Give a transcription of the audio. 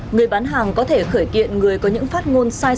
người bán hàng có thể khởi kiện người có những phát ngôn sai sắc